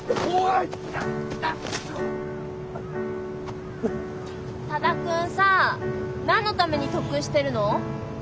多田くんさ何のために特訓してるの？